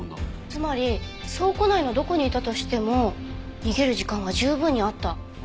つまり倉庫内のどこにいたとしても逃げる時間は十分にあった。